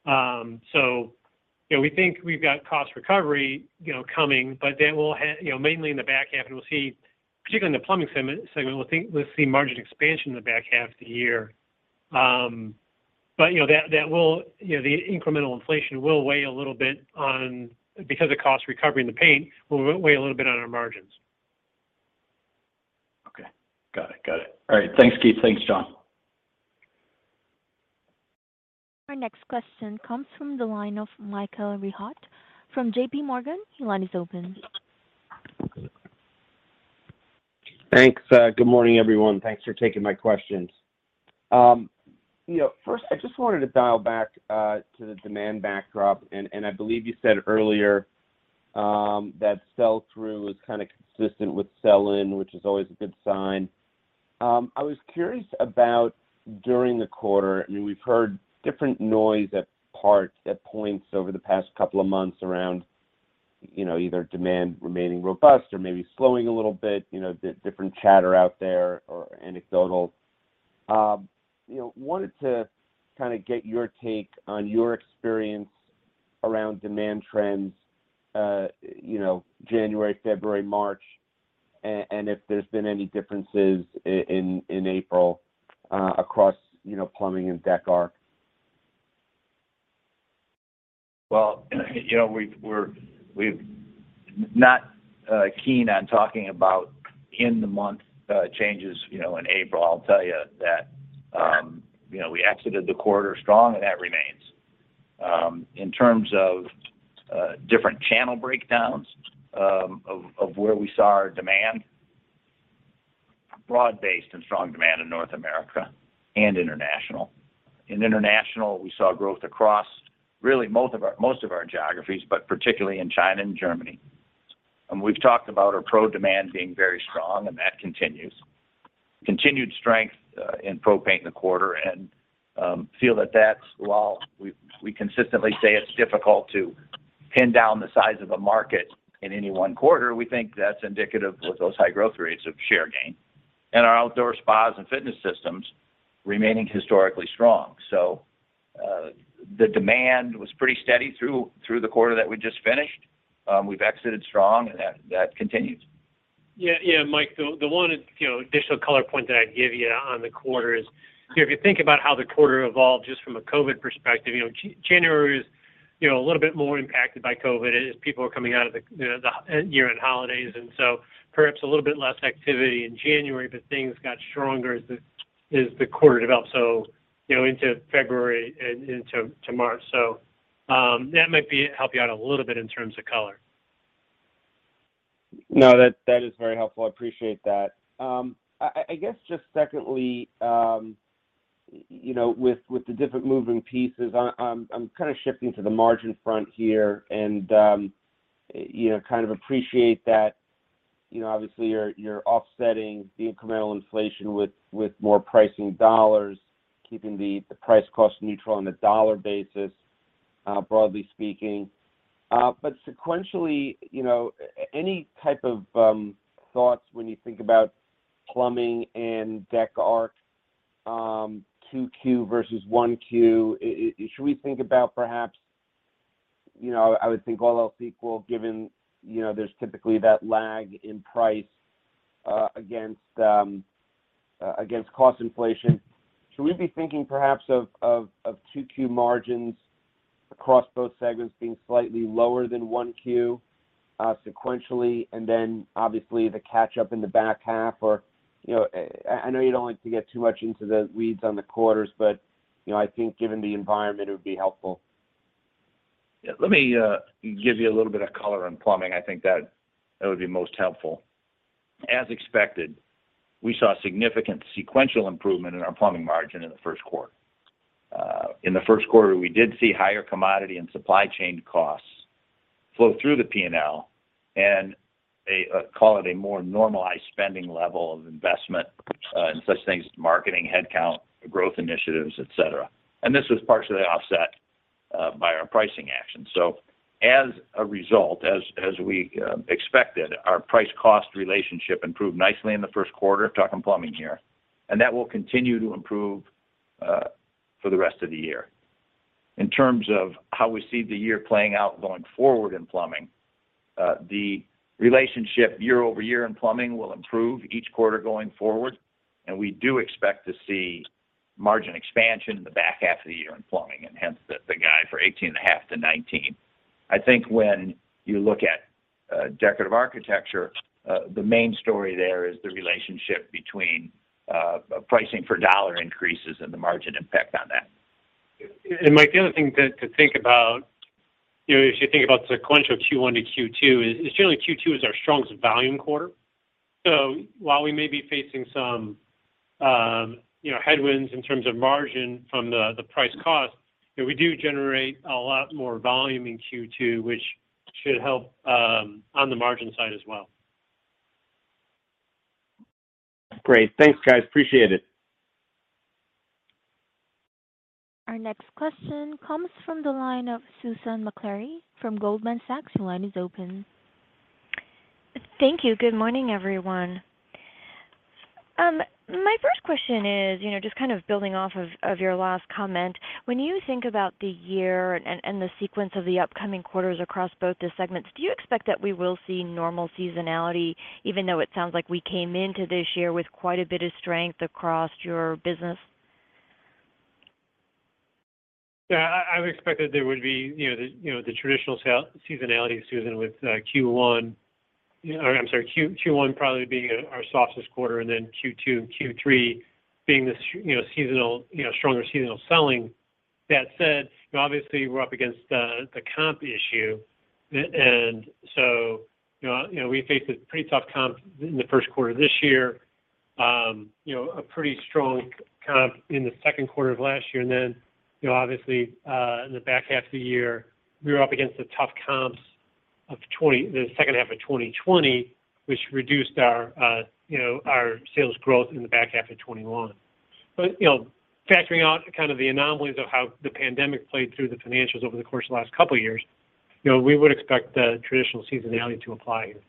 You know, we think we've got cost recovery, you know, coming, but that will, you know, mainly in the back half, and we'll see, particularly in the plumbing segment, we think we'll see margin expansion in the back half of the year. But you know, the incremental inflation will weigh a little bit on our margins because the cost recovery in the paint will weigh a little bit on our margins. Okay. Got it. All right. Thanks, Keith. Thanks, John. Our next question comes from the line of Michael Rehaut from JP Morgan. Your line is open. Thanks. Good morning, everyone. Thanks for taking my questions. You know, first, I just wanted to dial back to the demand backdrop, and I believe you said earlier that sell-through is kinda consistent with sell-in, which is always a good sign. I was curious about during the quarter. I mean, we've heard different noise at points over the past couple of months around, you know, either demand remaining robust or maybe slowing a little bit, you know, the different chatter out there or anecdotal. You know, wanted to kinda get your take on your experience around demand trends, you know, January, February, March, and if there's been any differences in April across, you know, plumbing and Decorative Architectural. Well, you know, we're not keen on talking about monthly changes, you know, in April. I'll tell you that, you know, we exited the quarter strong, and that remains. In terms of different channel breakdowns of where we saw our demand, broad-based and strong demand in North America and international. In international, we saw growth across really most of our geographies, but particularly in China and Germany. We've talked about our Pro demand being very strong, and that continues. Continued strength in Pro paint in the quarter and feel that that's while we consistently say it's difficult to pin down the size of a market in any one quarter, we think that's indicative with those high growth rates of share gain. Our outdoor spas and fitness systems remaining historically strong. The demand was pretty steady through the quarter that we just finished. We've exited strong and that continues. Yeah. Yeah. Mike, the one, you know, additional color point that I'd give you on the quarter is if you think about how the quarter evolved just from a COVID perspective, you know, January was, you know, a little bit more impacted by COVID as people are coming out of the, you know, the year-end holidays. Perhaps a little bit less activity in January, but things got stronger as the quarter developed, so, you know, into February and into March. That might help you out a little bit in terms of color. No, that is very helpful. I appreciate that. I guess just secondly, you know, with the different moving pieces, I'm kinda shifting to the margin front here and, you know, kind of appreciate that, you know, obviously you're offsetting the incremental inflation with more pricing dollars, keeping the price cost neutral on a dollar basis, broadly speaking. But sequentially, you know, any type of thoughts when you think about plumbing and Decorative Architectural, 2Q versus 1Q. Should we think about perhaps, you know, I would think all else equal, given, you know, there's typically that lag in price against cost inflation. Should we be thinking perhaps of 2Q margins across both segments being slightly lower than 1Q sequentially, and then obviously the catch up in the back half? Or you know, I know you don't like to get too much into the weeds on the quarters, but you know, I think given the environment, it would be helpful. Yeah. Let me give you a little bit of color on plumbing. I think that would be most helpful. As expected, we saw significant sequential improvement in our plumbing margin in the first quarter. In the first quarter, we did see higher commodity and supply chain costs flow through the P&L and a call it a more normalized spending level of investment in such things as marketing, headcount, growth initiatives, et cetera. This was partially offset by our pricing action. As a result, as we expected, our price cost relationship improved nicely in the first quarter, talking plumbing here, and that will continue to improve for the rest of the year. In terms of how we see the year playing out going forward in plumbing, the relationship year over year in plumbing will improve each quarter going forward, and we do expect to see margin expansion in the back half of the year in plumbing and hence the guide for 18.5%-19%. I think when you look at Decorative Architectural, the main story there is the relationship between pricing for dollar increases and the margin impact on that. Mike, the other thing to think about, you know, if you think about sequential Q1 to Q2 is generally Q2 is our strongest volume quarter. While we may be facing some, you know, headwinds in terms of margin from the price cost, you know, we do generate a lot more volume in Q2, which should help on the margin side as well. Great. Thanks, guys. Appreciate it. Our next question comes from the line of Susan Maklari from Goldman Sachs. Your line is open. Thank you. Good morning, everyone. My first question is, you know, just kind of building off of your last comment. When you think about the year and the sequence of the upcoming quarters across both the segments, do you expect that we will see normal seasonality, even though it sounds like we came into this year with quite a bit of strength across your business? Yeah, I would expect that there would be, you know, the traditional seasonality, Susan, with Q1. You know, or I'm sorry, Q1 probably being our softest quarter and then Q2 and Q3 being this, you know, seasonal, you know, stronger seasonal selling. That said, you know, obviously, we're up against the comp issue. We faced a pretty tough comp in the first quarter this year. You know, a pretty strong comp in the second quarter of last year. You know, obviously, in the back half of the year, we were up against the tough comps of the second half of 2020, which reduced our, you know, our sales growth in the back half of 2021. you know, factoring out kind of the anomalies of how the pandemic played through the financials over the course of the last couple of years, you know, we would expect the traditional seasonality to apply here.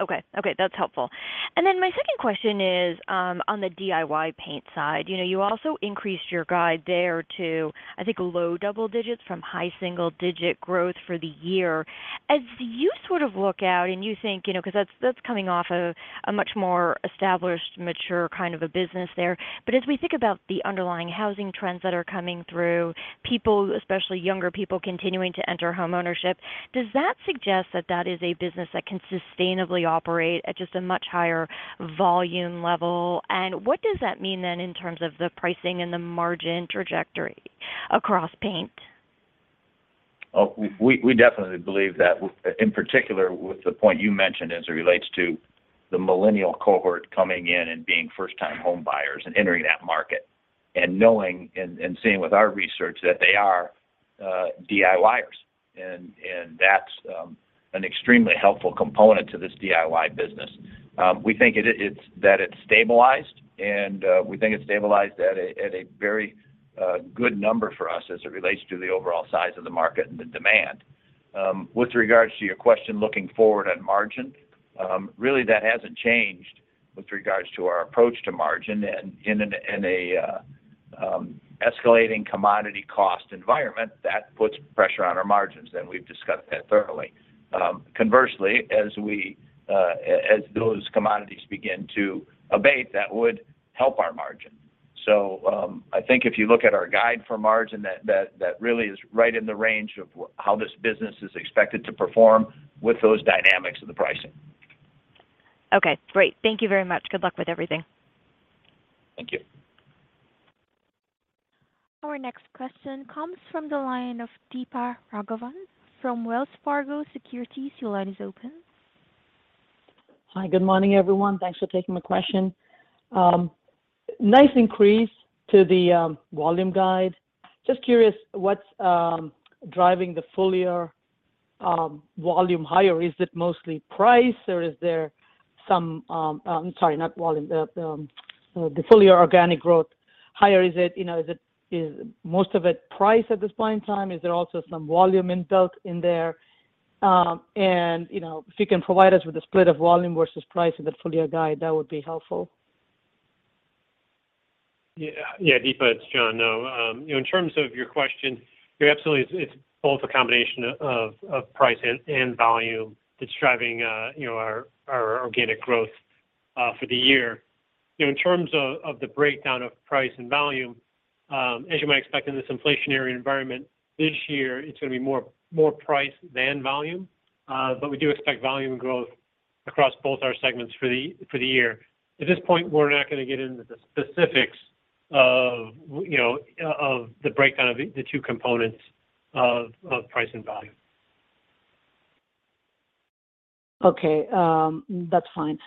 Okay. Okay, that's helpful. Then my second question is, on the DIY paint side. You know, you also increased your guide there to, I think, low double digits from high single digit growth for the year. As you sort of look out and you think, you know, 'cause that's coming off a much more established, mature kind of a business there. But as we think about the underlying housing trends that are coming through, people, especially younger people, continuing to enter homeownership, does that suggest that that is a business that can sustainably operate at just a much higher volume level? What does that mean then in terms of the pricing and the margin trajectory across paint? We definitely believe that in particular with the point you mentioned as it relates to the millennial cohort coming in and being first-time home buyers and entering that market. Knowing and seeing with our research that they are DIYers. That's an extremely helpful component to this DIY business. We think it's stabilized at a very good number for us as it relates to the overall size of the market and the demand. With regards to your question looking forward on margin, really that hasn't changed with regards to our approach to margin. In an escalating commodity cost environment, that puts pressure on our margins, and we've discussed that thoroughly. Conversely, as those commodities begin to abate, that would help our margin. I think if you look at our guide for margin, that really is right in the range of how this business is expected to perform with those dynamics of the pricing. Okay, great. Thank you very much. Good luck with everything. Thank you. Our next question comes from the line of Deepa Raghavan from Wells Fargo Securities. Your line is open. Hi, good morning, everyone. Thanks for taking my question. Nice increase to the volume guide. Just curious what's driving the full year organic growth higher. Is it mostly price at this point in time? Is there also some volume inbuilt in there? You know, if you can provide us with a split of volume versus price in the full year guide, that would be helpful. Yeah. Yeah, Deepa, it's John. No, you know, in terms of your question, you're absolutely right, it's both a combination of price and volume that's driving, you know, our organic growth for the year. You know, in terms of the breakdown of price and volume, as you might expect in this inflationary environment this year, it's gonna be more price than volume. But we do expect volume growth across both our segments for the year. At this point, we're not gonna get into the specifics of, you know, of the breakdown of the two components of price and volume. Okay. That's fine.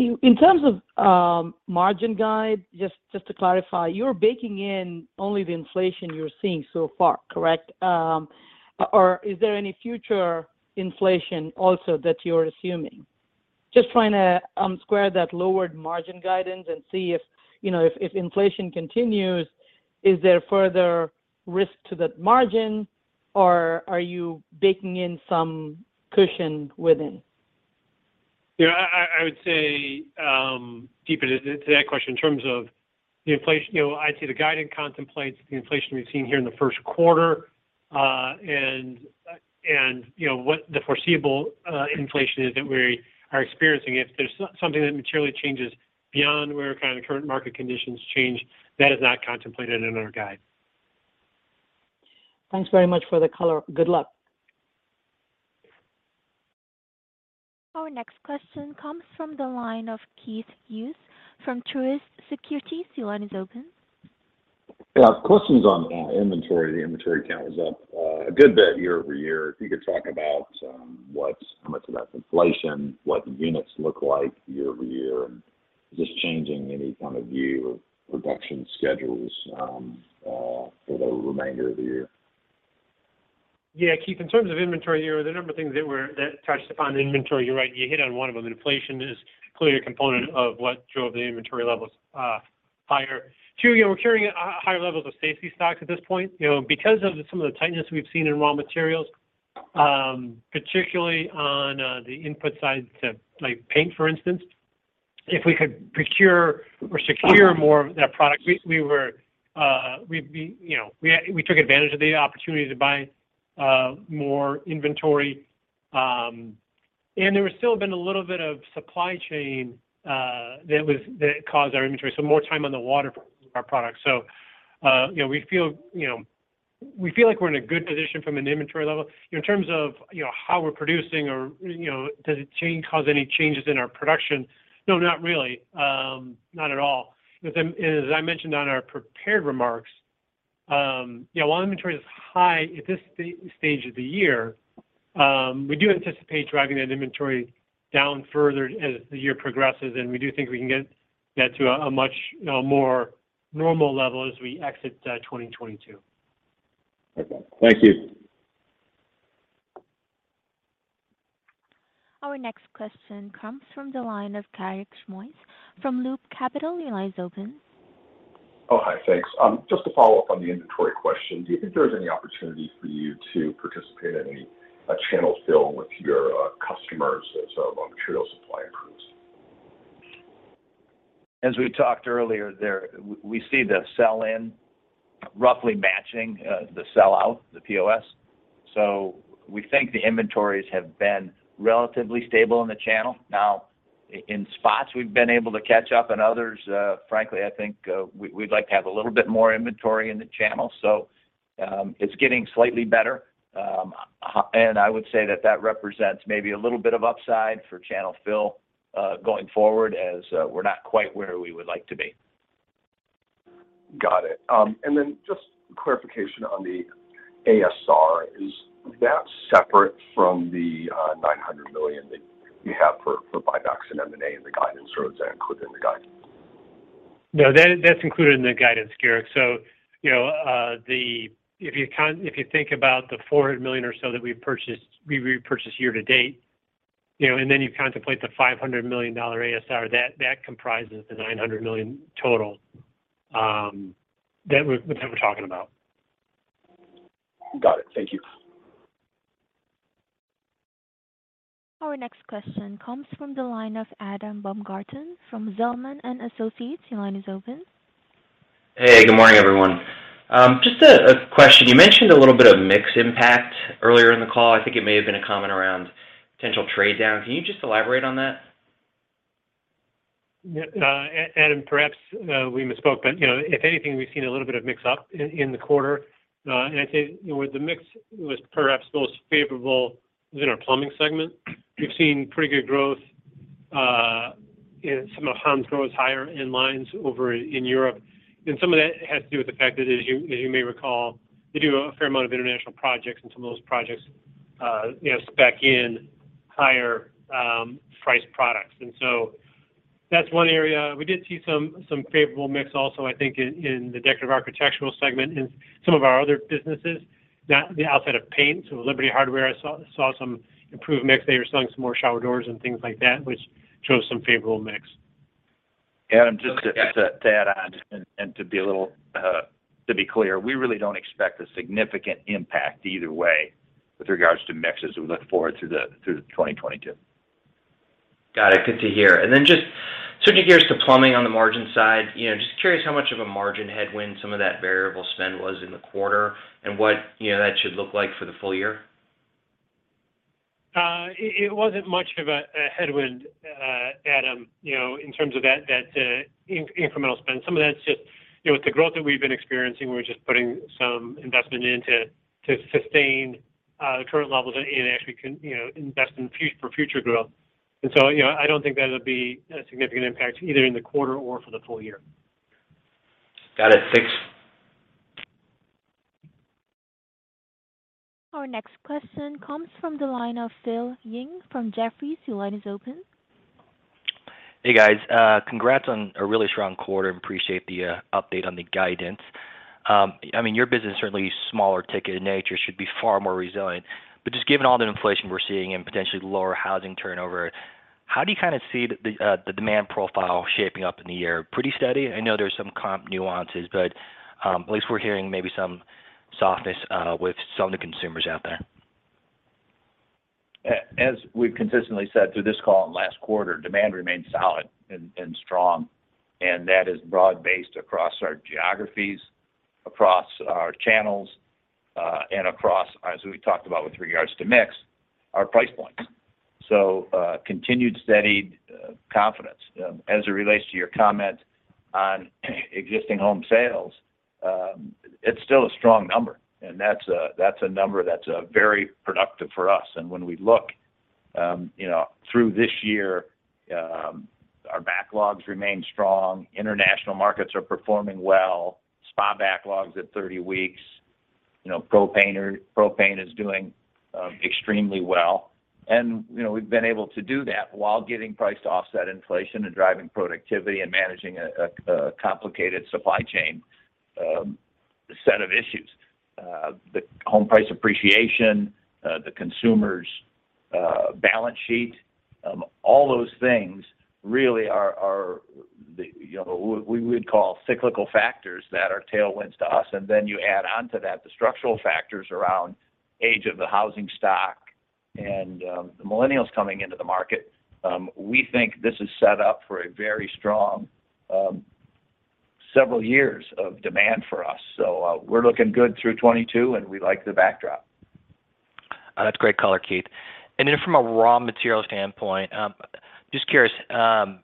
In terms of margin guidance, just to clarify, you're baking in only the inflation you're seeing so far, correct? Or is there any future inflation also that you're assuming? Just trying to square that lowered margin guidance and see if, you know, if inflation continues, is there further risk to that margin, or are you baking in some cushion within? You know, I would say, Deepa, to that question, in terms of the inflation, you know, I'd say the guidance contemplates the inflation we've seen here in the first quarter. You know, what the foreseeable inflation is that we are experiencing. If there's something that materially changes beyond where kind of the current market conditions change, that is not contemplated in our guide. Thanks very much for the color. Good luck. Our next question comes from the line of Keith Hughes from Truist Securities. Your line is open. Question's on inventory. The inventory count is up a good bit year over year. If you could talk about how much of that's inflation, what the units look like year over year, and is this changing any kind of view of production schedules for the remainder of the year? Yeah, Keith, in terms of inventory, there were a number of things that touched upon inventory. You're right, you hit on one of them. Inflation is clearly a component of what drove the inventory levels higher. Two, you know, we're carrying higher levels of safety stocks at this point. You know, because of some of the tightness we've seen in raw materials, particularly on the input side to, like, paint, for instance. If we could procure or secure more of that product, we took advantage of the opportunity to buy more inventory. There has still been a little bit of supply chain that caused our inventory, so more time on the water for our products. You know, we feel like we're in a good position from an inventory level. In terms of, you know, how we're producing or, you know, does it cause any changes in our production? No, not really. Not at all. As I mentioned in our prepared remarks, you know, while inventory is high at this stage of the year, we do anticipate driving that inventory down further as the year progresses, and we do think we can get that to a much, you know, more normal level as we exit 2022. Okay. Thank you. Our next question comes from the line of Garik Shmois from Loop Capital. Your line is open. Oh, hi. Thanks. Just to follow up on the inventory question, do you think there's any opportunity for you to participate in any channel fill with your customers as raw material supply improves? As we talked earlier, we see the sell-in roughly matching the sell-out, the POS. We think the inventories have been relatively stable in the channel. Now, in spots, we've been able to catch up. In others, frankly, I think we'd like to have a little bit more inventory in the channel. It's getting slightly better. I would say that represents maybe a little bit of upside for channel fill going forward as we're not quite where we would like to be. Got it. Just clarification on the ASR. Is that separate from the $900 million that you have for buybacks and M&A in the guidance, or is that included in the guidance? No. That, that's included in the guidance, Garik. You know, if you think about the $400 million or so that we repurchased year to date, you know, and then you contemplate the $500 million ASR, that comprises the $900 million total, that we're talking about. Got it. Thank you. Our next question comes from the line of Adam Baumgarten from Zelman & Associates. Your line is open. Hey, good morning, everyone. Just a question. You mentioned a little bit of mix impact earlier in the call. I think it may have been a comment around potential trade down. Can you just elaborate on that? Yeah. Adam, perhaps we misspoke, but, you know, if anything, we've seen a little bit of mix up in the quarter. I'd say, you know, where the mix was perhaps most favorable was in our plumbing segment. We've seen pretty good growth in some of Hansgrohe's higher-end lines over in Europe. Some of that has to do with the fact that, as you may recall, they do a fair amount of international projects, and some of those projects, you know, spec in higher price products. That's one area. We did see some favorable mix also I think in the Decorative Architectural segment in some of our other businesses. Now, outside of paint, Liberty Hardware saw some improved mix. They were selling some more shower doors and things like that, which shows some favorable mix. Adam, just to add on and to be clear, we really don't expect a significant impact either way with regards to mixes as we look forward through 2022. Got it. Good to hear. Just switching gears to plumbing on the margin side. You know, just curious how much of a margin headwind some of that variable spend was in the quarter and what, you know, that should look like for the full year. It wasn't much of a headwind, Adam, you know, in terms of that incremental spend. Some of that's just, you know, with the growth that we've been experiencing, we're just putting some investment in to sustain the current levels and actually can, you know, invest for future growth. You know, I don't think that'll be a significant impact either in the quarter or for the full year. Got it. Thanks. Our next question comes from the line of Phil Ng from Jefferies. Your line is open. Hey, guys. Congrats on a really strong quarter and appreciate the update on the guidance. I mean, your business certainly is smaller ticket in nature, should be far more resilient. Just given all the inflation we're seeing and potentially lower housing turnover, how do you kind of see the demand profile shaping up in the year? Pretty steady? I know there's some comp nuances, but at least we're hearing maybe some softness with some of the consumers out there. As we've consistently said through this call and last quarter, demand remains solid and strong, and that is broad-based across our geographies, across our channels, and across, as we talked about with regards to mix, our price points. Continued steady confidence. As it relates to your comment on existing home sales, it's still a strong number, and that's a number that's very productive for us. When we look, you know, through this year, our backlogs remain strong. International markets are performing well. Spa backlogs at 30 weeks. You know, propane is doing extremely well. You know, we've been able to do that while getting priced to offset inflation and driving productivity and managing a complicated supply chain set of issues. The home price appreciation, the consumer's balance sheet, all those things really are you know, we would call cyclical factors that are tailwinds to us. Then you add onto that the structural factors around age of the housing stock and the millennials coming into the market. We think this is set up for a very strong several years of demand for us. We're looking good through 2022, and we like the backdrop. That's great color, Keith. From a raw material standpoint, just curious,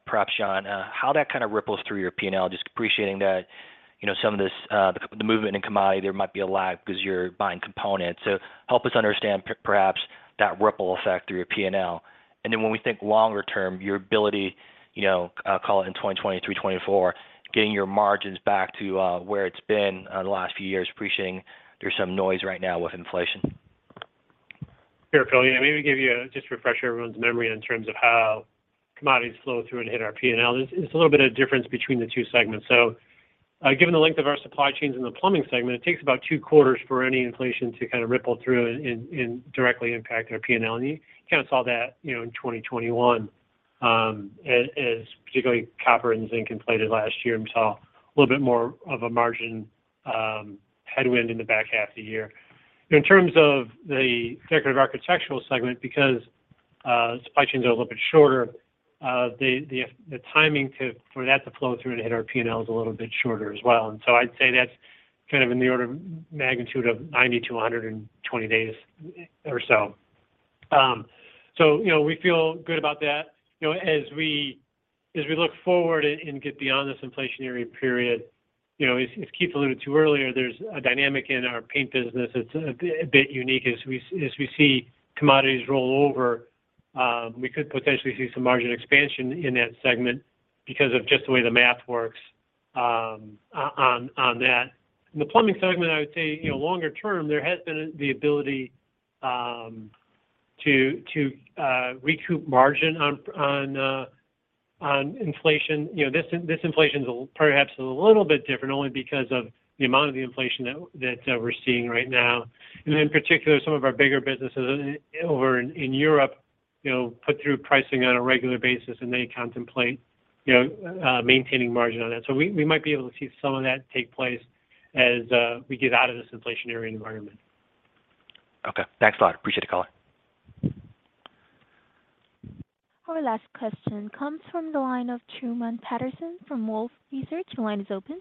perhaps John, how that kind of ripples through your P&L. Just appreciating that, you know, some of this, the movement in commodity there might be a lag because you're buying components. Help us understand perhaps that ripple effect through your P&L. When we think longer term, your ability, you know, call it in 2023, 2024, getting your margins back to, where it's been, the last few years, appreciating there's some noise right now with inflation. Sure, Phil. Yeah, maybe just refresh everyone's memory in terms of how commodities flow through and hit our P&L. There's a little bit of difference between the two segments. Given the length of our supply chains in the plumbing segment, it takes about two quarters for any inflation to kind of ripple through and directly impact our P&L. You kind of saw that, you know, in 2021, as particularly copper and zinc and plastics last year, and we saw a little bit more of a margin headwind in the back half of the year. In terms of the Decorative Architectural segment, because supply chains are a little bit shorter, the timing for that to flow through and hit our P&L is a little bit shorter as well. I'd say that's kind of in the order of magnitude of 90-120 days or so. You know, we feel good about that. You know, as we look forward and get beyond this inflationary period, you know, as Keith alluded to earlier, there's a dynamic in our paint business. It's a bit unique. As we see commodities roll over, we could potentially see some margin expansion in that segment because of just the way the math works on that. The plumbing segment, I would say, you know, longer term, there has been the ability to recoup margin on inflation. You know, this inflation's perhaps a little bit different only because of the amount of the inflation that we're seeing right now. In particular, some of our bigger businesses over in Europe, you know, put through pricing on a regular basis, and they contemplate, you know, maintaining margin on that. We might be able to see some of that take place as we get out of this inflationary environment. Okay. Thanks a lot. Appreciate the call. Our last question comes from the line of Truman Patterson from Wolfe Research. Your line is open.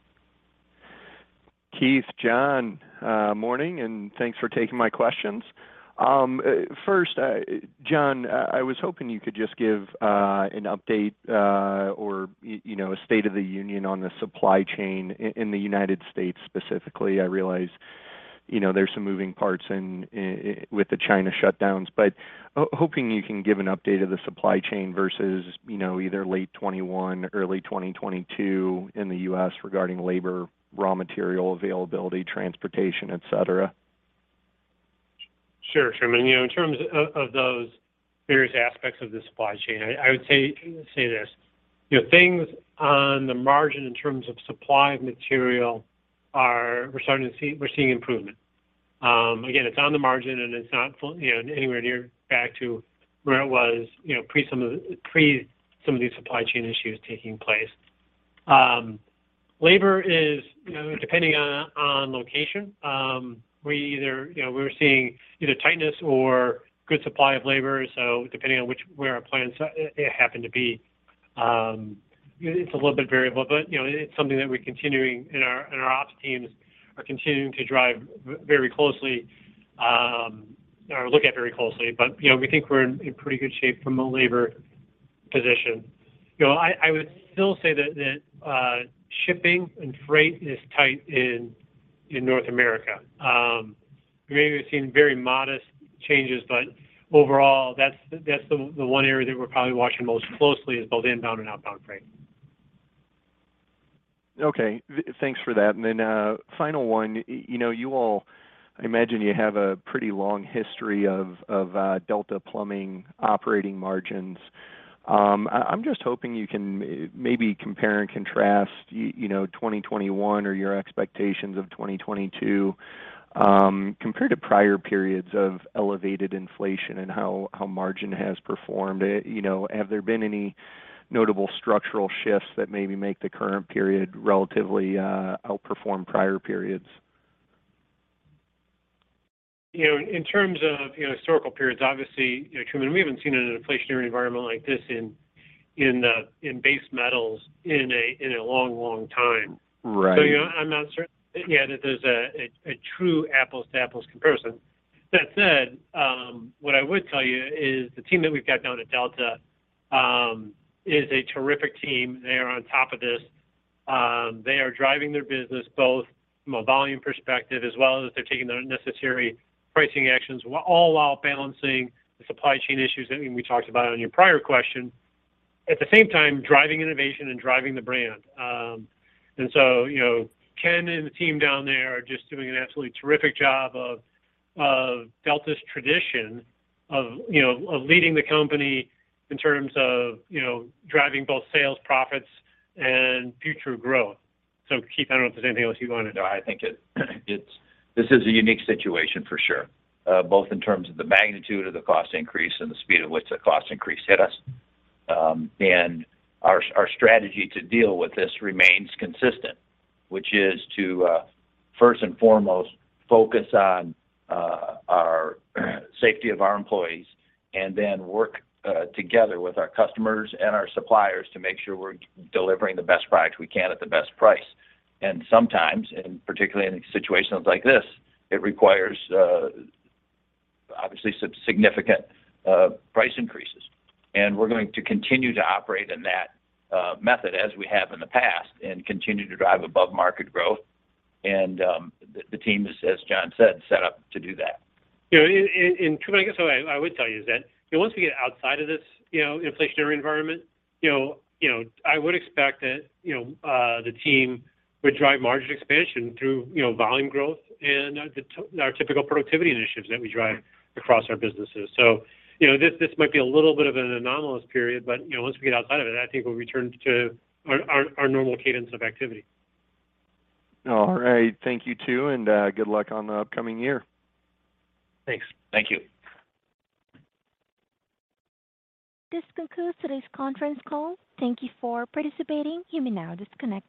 Keith, John, morning, and thanks for taking my questions. First, John, I was hoping you could just give an update, or you know, a state of the union on the supply chain in the United States specifically. I realize, you know, there's some moving parts in with the China shutdowns. Hoping you can give an update of the supply chain versus, you know, either late 2021, early 2022 in the U.S. regarding labor, raw material availability, transportation, et cetera. Sure, Truman. You know, in terms of those various aspects of the supply chain, I would say this. You know, things on the margin in terms of supply of material are seeing improvement. Again, it's on the margin, and it's not fully anywhere near back to where it was, you know, pre some of these supply chain issues taking place. Labor is, you know, depending on location, we're seeing either tightness or good supply of labor. So depending on where our plants happen to be, it's a little bit variable, but, you know, it's something that our ops teams are continuing to drive very closely or look at very closely. You know, we think we're in pretty good shape from a labor position. You know, I would still say that shipping and freight is tight in North America. We may have seen very modest changes, but overall that's the one area that we're probably watching most closely is both inbound and outbound freight. Okay. Thanks for that. Final one. You know, you all, I imagine you have a pretty long history of Delta Plumbing operating margins. I'm just hoping you can maybe compare and contrast, you know, 2021 or your expectations of 2022, compared to prior periods of elevated inflation and how margin has performed. You know, have there been any notable structural shifts that maybe make the current period relatively outperform prior periods? You know, in terms of, you know, historical periods, obviously, you know, Truman, we haven't seen an inflationary environment like this in base metals in a long time. Right. You know, I'm not certain yet that there's a true apples to apples comparison. That said, what I would tell you is the team that we've got down at Delta is a terrific team. They are on top of this. They are driving their business both from a volume perspective as well as they're taking the necessary pricing actions, all while balancing the supply chain issues that we talked about on your prior question. At the same time, driving innovation and driving the brand. You know, Ken and the team down there are just doing an absolutely terrific job of Delta's tradition of, you know, of leading the company in terms of, you know, driving both sales profits and future growth. Keith, I don't know if there's anything else you wanted to add. I think this is a unique situation for sure, both in terms of the magnitude of the cost increase and the speed at which the cost increase hit us. Our strategy to deal with this remains consistent, which is to first and foremost focus on the safety of our employees and then work together with our customers and our suppliers to make sure we're delivering the best product we can at the best price. Sometimes, particularly in situations like this, it requires obviously some significant price increases. We're going to continue to operate in that method as we have in the past and continue to drive above-market growth. The team is, as John said, set up to do that. You know, and Truman, I guess what I would tell you is that, you know, once we get outside of this, you know, inflationary environment, you know, I would expect that, you know, the team would drive margin expansion through, you know, volume growth and our typical productivity initiatives that we drive across our businesses. You know, this might be a little bit of an anomalous period, but, you know, once we get outside of it, I think we'll return to our normal cadence of activity. All right. Thank you too, and good luck on the upcoming year. Thanks. Thank you. This concludes today's conference call. Thank you for participating. You may now disconnect.